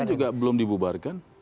tapi hti kan juga belum dibubarkan